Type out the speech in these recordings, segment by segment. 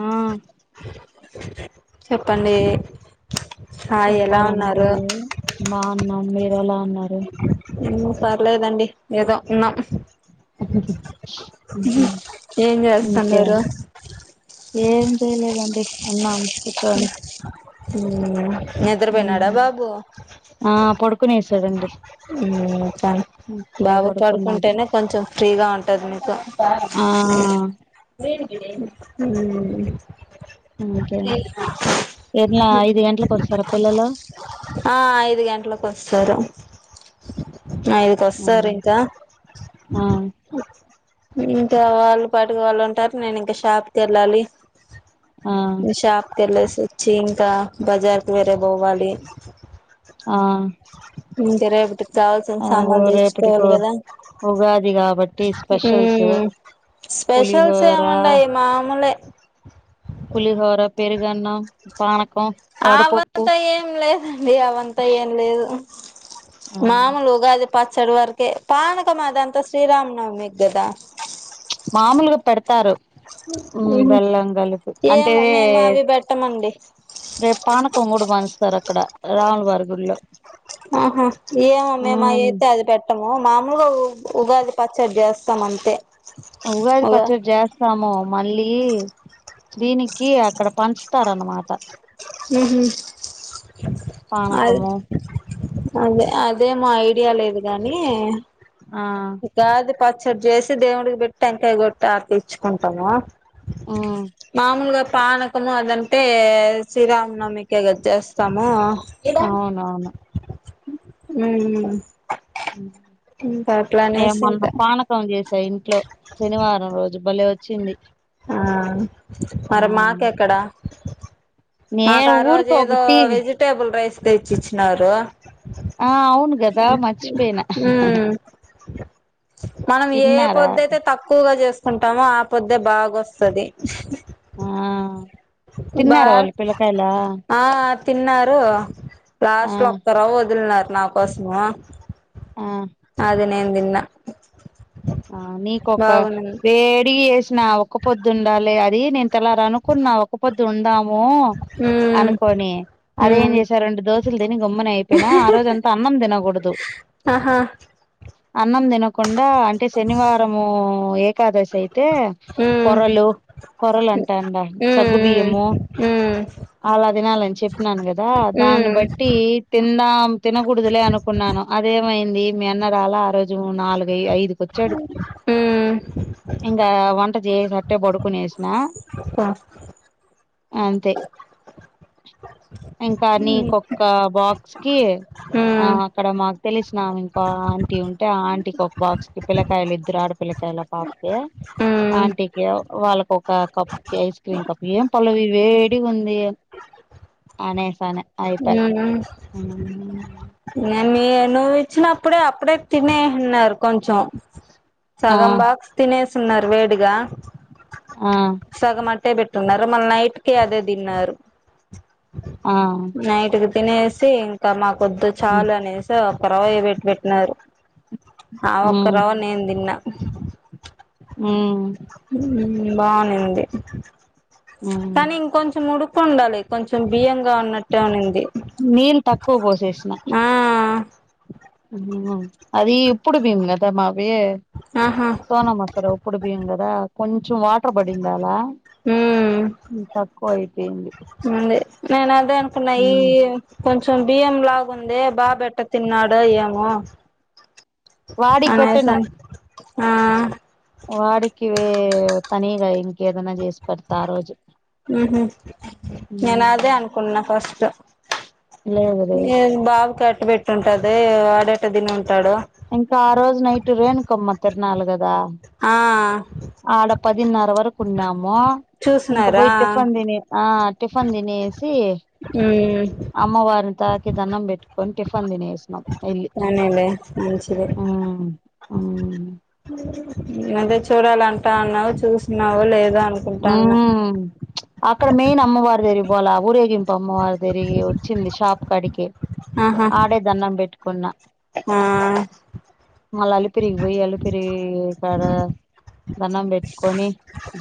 ఆ చెప్పండీ చెప్పాలండి బావునాం మీరు ఎలా ఉన్నారు హుమ్ పర్లేదండి ఏదో ఉన్నాం ఉహు ఏం ఇంకే చేస్తన్నారు ఏం చేయలేదండి ఉన్నాం కూర్చొని నిద్రబోయినాడా ఉహు బాబు ఆ పడుకునేసాడండి ఇప్పుడే బాబు పడుకున్నాడు పడుకుంటేనే కొంచెం ఫ్రీగా ఉంటది మీకు ఆ హ్మ్ అంతే ఎట్లా ఐదు గంటలకు వస్తారా పిల్లలు [unintelligible] ఆ ఐదు గంటలకొస్తారు ఐదు ఉమ్. కొస్తారింకా ఆ ఇంకా వాళ్ళు పట్టుకవాళ్ళు ఉంటారు నేను ఇంకా షాప్కి వెళ్ళాలి ఆ నే షాప్ కి వెళ్ళేసి వొచ్చి ఇంకా బజార్ కి వేరే బోవాలి ఆ ఇంకా రేపటికి కావాల్సిన అదో సామాన్లు రేపటికో తెచ్చుకోవాలి గదా ఉగాది కాబట్టి స్పెషల్సు స్పెషల్స్ ఏముండయ్ మామూలే పులిహోర పెరుగన్నం పానక్ అవంతా ఏం లేదండి అవంతా ఏం లేదు ఆ మామూలు ఉగాది పచ్చడి వరకే పానక మాదంతా శ్రీరామనవమికి గదా మామూలుగా పెడతారు మ్మ్ బెల్లం గల్ అంటే ఏమో మేము అవి పెట్టమండి రేప్ పాన పొంగుడు పంచుతరు అక్కడ రాముల వారి గుళ్ళో ఆహా ఏమో మేము మ్ అయితే అది పెట్టం మామూల్గా ఉగాది పచ్చడి చేస్తాం అంతే ఉగాది ఉగా పచ్చడ్ జేస్తాము మళ్ళీ దీనికి అక్కడ పంచుతారనమాట ముహు అద్ పానకము అదే అదే మయ్ డియా లేదు గానీ ఆహ్ పచ్చడి జేసి దేవుడికి పెట్టి టెంకాయ కొట్టి ఆర్తీచ్చుకుంటము మ్ మామూలుగా పనకం అదంటే శ్రీరామనవమికె గా చేస్తాము అవునవును ఉమ్ ఇంకా అట్లా నేను అనేసి మొన్న ఇంకా పానకం చేసాయి ట్లో శనివారం రోజు భలేె ఒచ్చింది ఆహ్ మరి మాకెక్కడా మాకు నేను ఆ రోజు ఊరికి ఏదో ఒకటి వెజిటేబుల్ రైస్ తెచ్చిచ్చినారు ఆహ్ అవును గదా మచ్చిపోయినా ఉమ్ మనం ఏ పొదైతే తక్కువగా చేస్ కుంటామో ఆ పొద్దే బాగొస్తది ఆహ్ బా ఆహ్ తిన్నారు లాస్ట్ ఆ లో ఒక్కరొ ఒదిల్నారు నా కోసమా ఆ అది నేన్ తిన్న ఆహ్ నీకొక వేడి ఎసిన ఒక పొద్దుండాలి అది నేన్ తెలారనుకున్నా ఒక పొద్దు ఉందాము ఉమ్ అనుకోని అదేం ఉమ్ చేసా రెండు దోశలు తిని గమ్మున అయిపోయినా ఆ రోజ అంతా అన్నం తినగూడదు ఆహా అన్నం తినకుండా అంటే శనివారము ఉ ఏకాదశి అయితే ఉమ్ కొర్రలు కొరలు అంటా అన్ సగ్గు ఉమ్ బియ్యము ఉమ్ ఉమ్ అలా తినాలని చెప్పినాను కదా దాన్ని ఉమ్ బట్టి తిందాం తినకూడదులే అనుకున్నా న్నాను అదేమైంది మీ అన్న రాల ఆ రోజు నాలుగు ఐ ఐదు మ్ ఇంగా వంట చేస్నట్టే పాడుకునేసిన అంతే ఇంకా నీకొక్క బాక్ కి అ అహా అక్కడ మాకు తెలిసినాం ఇంకో ఆంటీ ఉంటే ఆ ఆంటీకి ఒక బాక్స్ ఇ పిలకాయలు ఇద్దరు ఆడ పిలకాయలా పాపకి ఉమ్ ఉమ్ ఆంటీకి వాళ్ళకి ఒక కప్కి ఐస్ క్రీమ్ కప్ ఏం పలవి వేడిగూంది అనేసనె ఆయిప ఏ మె నువ్వు ఇచ్చినపుడే అప్పుడే తినేహ్నారు కొంచం ఆ సగం బాక్స్ తినేసున్నారు వేడిగా ఆ ట్టే బెట్టునారు మళ్ నైట్ కి అదే దిన్నారు ఆ నైట్ రుబ్ తినేసి ఇంకా మాకొద్దు మ్మ్ చాల్ అనేసో ఒక రవయే బెట్ బెట్ నారు ఆ ఒక్క రవ నేను దిన్నా ఉమ్ బానే ఉంది మ్మ్ కానీ ఇంకొంచెం ఉడుకుండాలి కొంచెం బియ్యం గ ఉన్నట్టు ఉంది నీళ్ళు తక్కువ ఆ ఉమ్ అది ఇప్పుడు మేము కదా మా వే ఆహా సోన మసర ఉప్పుడిబియ్యంగదా కొంచెం వా బాడిందాల ఉమ్ తక్కువయ్ ఉంది నేన్ అదే అనుకున్న ఈ కొంచ్ బియ్యం లావ్ గుంది బాబెట్టతిన్నాడో ఏమో వాడికి అనే సమ్ ఆ వాడకివే తనిగా ఇంకెదన్న జేష్ పర్ త ఆ రోజు ఉహు హ్మ్ ఎమ్ బాబ్ కెట్ బెట్ టుంటాదో ఏమో వాడ్ ఎట్ట తినున్ ఇంకా ఆ రోజు నైట్ రేనుకమ్మ తిర్ నాల్ గద్ ఆ ఆడ పదిన్ నర వరకు ఉన్నాము ఇంకా చూసినారా బోయి టిఫన్ దిని ఆ టిఫన్ దినేసి ఉమ్ అమ్మవార్ న్ తాకి దన్నం పెట్టుకొని టిఫన్ తినేసినాం ఏల్లి పోనీలే మంచిది ఉమ్ ఉమ్ నువ్వే చూడాలంటా అన్నావు చూసినావ్ లేదో అనుకుంటాన్నా హ్మ్ అక్కడ మెయిన్ అమ్మవార్ దేరిక్ పోళ్ళే ఊరేగింప్ పొమ్మవార్ దిరిగి వచ్చింది షాప్ కాడికి ఆహా ఆడే దన్నం బెట్ కున్న ఆ మళ్ల అలిపిరి బోయి అలిపిరీ కాడ దన్నం బెట్ కొని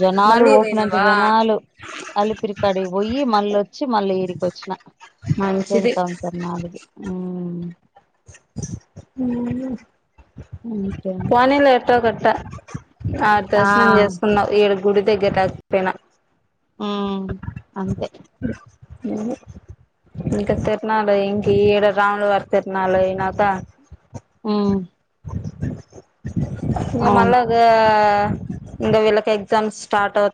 జాన్ ఆలు మళ్ళీ ఓప్ నంత్ పోయినావా జనాలు అలిపిర్ కాడికి పోయి మల్లోచ్చి మళ్ళీ ఇడికోచ్ న రొంన్ మంచిది సంసా ర్ నాలుగు ఉమ్ ఉహుమ్ అంతే పోనీలే ఎట్టో గట్ట ఆ దర్శనం చేస్ కున్నవు ఇడగు గుడిదగ్గర్ దక్ పెన హ్మ్ అంతే బ్లాంక్ ఇంక్ తిర్ నాలు ఇంకి ఈడ రాముల్ వార్ తిర్ నాలు యినాత హ్మ్ బ్లాంక్ ఇంగ మళ్ళ అవును గా ఆ ఇంగ విళ్లక్ ఎగ్ జామ్స్ స్టార్ట్ అవ్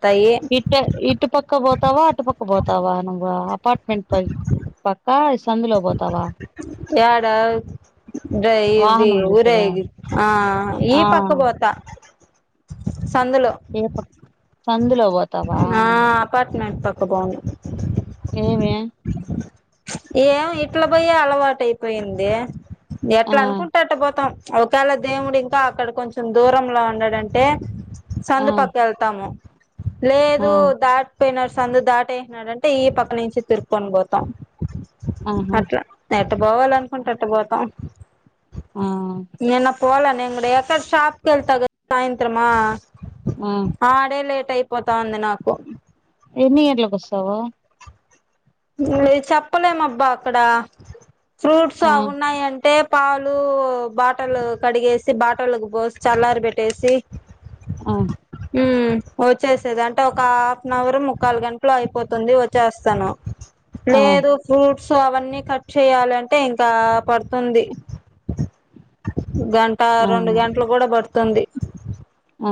ఇట్ ఇటు పక్క పోతావా అటు పక్క పోతావా నువ్ అపార్ట్ మెంట్ పై పక్ కాయ్ సందులో పోతావా యాడవ్ డ్రై ఇది వాహనం చూస్తదా ఊరేగిద్ ఆ ఈ పక్క పోత బ్లాంక్ ఏ పక్ సందులో పోతావా ఆ అపార్ట్మెంట్ పక్క బాగుంది యేవ్య చ్ ఏవొ ఇట్ల బోయే అలవాటయిపొయింది ఆ ఎట్ల అనుకుంటే అట్ట పోతం ఒకాళ దేవుడు ఇంకా అక్కడ కొంచమ్ దూరంల ఉన్నడంటే ఆ సందు పక్క ఎల్ తాము ఆ లేదు దాట్ పోయినర్ సందు దాటే నడంటే ఈ పక్క నించి తుర్ కొన్ బోతామ్ ఆహా అట్ల తడ్ పోవాలన్కుంటే ఎట్ట పోతాం. ఆ పోవాలా నేన్ గుడ ఎక్కడ షాప్కెళ్తా కద సాయంత్రమా ఆ ఆడేలే టై పోతా ఉంది నాకు ఎన్ని గంటలక్ కొస్తవా చెప్పలేమ్ మబ్బ అక్కడ ఫ్రూట్స్ ఆ అవ్ ఉన్నాయంటే పాలు బాటల్ లు కడిగేసి బాటలకు పోస్ చల్లార్ బెట్టేసి ఆ ఉమ్ వచ్చేసేద్ అంటే ఒక హాఫ్ నవ్ ర్ ముకల్ గంట్ లో అయిపోతుంది వచ్చస్తాను ఆ లేదు ఫ్రూట్స్ అవన్నీ కట్ చేయాలంటే ఇంకా పడ్తుంది. గంటా ఆ రెండు గంటలు కూడా పడ్తుంది. ఆ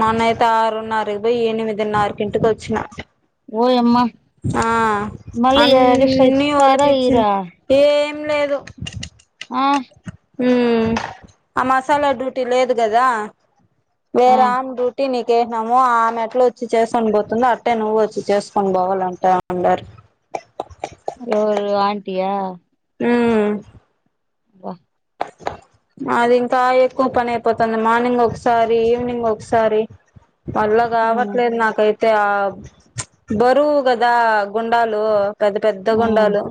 మొన్నైతే ఆరున్నరకి పోయి ఎనిమిదిన్నరకి ఇంటికొచ్చిన ఓయమ్మా ఆ మళ్ళీ ఎగస్ట్రా అన్ని ఇస్తారా వలిపించింది ఈరా ఏం లేదు. ఆ మ్ ఆ మసాలా డ్యూటీ లేదు కదా ఆ వేరామ్ డ్యూటీ నే చేసినాము. ఆమెట్ల ఒచ్చి చేస్కోన్ పోతుందో అట్టే నువ్వొచ్చి చేస్కొన్ పోవాలంట అందరు అల్లోవరు ఆంటీ ఆ హ్మ్ వ అది ఇంకా ఎక్కో పని అయిపోతాంది మార్నింగ్ ఒక్సారి ఈవినింగ్ ఒక్సారి మళ్ళ ఉమ్ కావట్లేద్ నాకైతే ఆ బరువు కదా గుండాలు పెద్ద పెద్ద ఉమ్ గుండాలు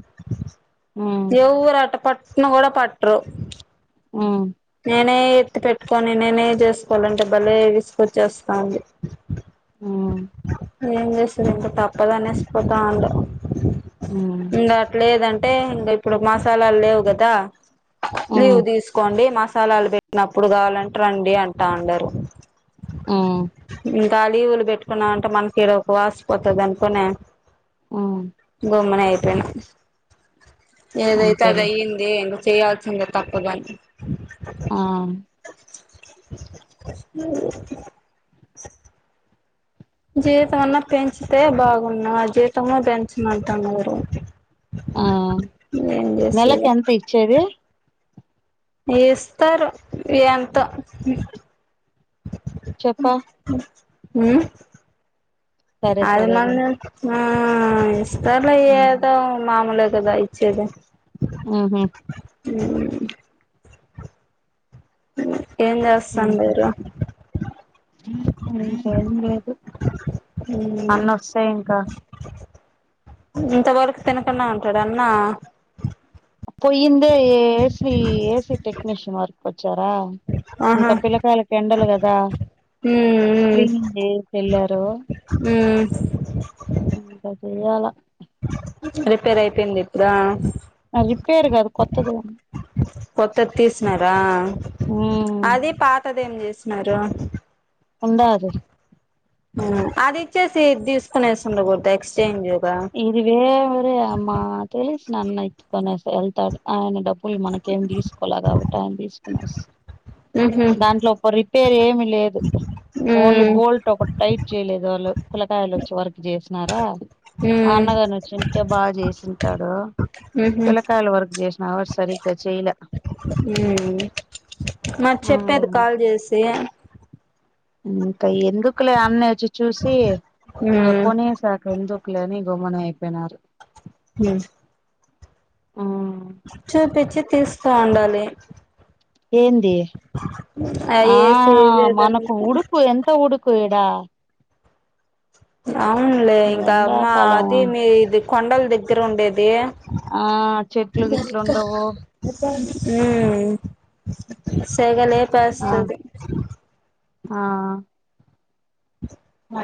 ఉమ్ ఏ ఊరట పట్ను గుడా పట్టరు. ఉమ్ నేనే ఎత్తి పెట్టుకోని నేనే చేస్కోవాలంటే బలే విసుగొచేస్తాంది. ఉమ్ ఏం చేసేది ఇంకా తప్పదనేసి పోతాం ఉమ్ ఇగ అట్లేదన్ అంటే ఇంక ఇప్పుడు మసాలాల్ లేవు కదా లీవ్ ఉమ్ తీస్కోండి మ సాలాల్ పెట్నప్పుడు కావాలం రండి అంటా అందరు మ్ గా లీవ్లు పెట్టుకున్నాంటే మనకీడ [inaudible] వాసిపోతద్ అనుకునే ఉమ్ గమ్మున అయిపోయిన ఏదైతే అది అంతేలే అయ్యింది ఇంకా చేయాల్సిందే తప్పదని ఆ జీతం అన్నా పెంచితే బాగున్నా ఆ జీతమూ పెంచమంటన్నారు. ఆ ఏం చేస్తరు నెలకి ఎంత ఇచ్చేది ఇస్తరు ఎంతో చెప్ప. మ్ సరే అది సరేలే మంది ఆ ఇస్తార్లే ఏదో మామూలే గదా సరే ఉహు ఏం చేస్తాం [inaudible] ఇంకా ఇంకేం లేదు అన్నోస్తే ఇంకా ఇంతవరకు తినకుండా ఉంటాడ అన్నా పోయిందే ఏసీ ఏసీ టెక్నీషన్ వర్క్ కొచ్చారా ఆహా ఇంకా పిల్లకాయలకి ఎండలు గదా మ్మ్ క్లీనింగ్ డే కెల్లారో మ్మ్ ఇంక చేయాలా రిపేర్ అయిపోయింది ఇప్పుడా రిపేర్ కాదు కొత్తది కొన్నాం కొత్తది తీసినార ఉమ్ అదీ పాతది ఏం చేసినారు ఉండాది అది ఇచ్చేసి ఇద్ తీస్కొని [unintelligible] ఎక్స్చేంజ్ ఇదివేవరే అమ్మా [inaudible] నన్ ఎత్తుకొనేస్ ఎళ్తాడు ఆయన డబ్ పోయి మనకేం తీస్కోల కాబట్టి ఆం తీస్కునస్ మ్హూ దాంట్లో ఒక రిపేరేమి లేదు. ఓన్లీ మ్మ్ బోల్ట్ ఒకట్ టైట్ చేయలేదు. వాళ్ళు పిల్లకాయల్ వచ్చే వరికి చేసినారా? మ్మ్ అన్నగని వచ్చింటే బాను చేసింటాడు మ్హూ పిల్లకాయల వరకు జెసిన వా సరిగ్గా చేయలే ఉ మరి చెప్పేది ఉమ్ కాల్ చేసి ఇంకా ఎందుకులే అన్న వచ్చి చూసి ఇంగ్ మ్మ్ కొనేసాక ఎందుకు లేని గోమనె అయిపోయినారు మ్మ్ ఉమ్ చూపించి తీస్తా ఉండాలి ఏంది ఆ ఏసి మనకు ఉడుకు ఎంతొ ఉడుక్ కూ ఈడ అవునులే ఇంకా అమ్మా ఎండాకాలం అది మీ ఇది కొండల దగ్గర ఉండేది దె ఆ చెట్లు గిట్లు ఉండవు యి ఉ ఆ సెగలిపిస్తది ఆ